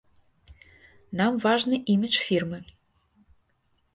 Нам важны імідж фірмы.